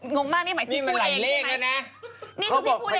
งงมากนี่หมายถึงผู้เด็กนี่ไหม